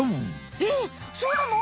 えっそうなの！？